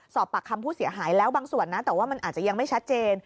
สอบปากคำผู้เสียหายแล้วบางส่วนนะแต่ว่ามันอาจจะยังไม่ชัดเจน